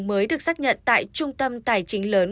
mới được xác nhận tại trung tâm tài chính lớn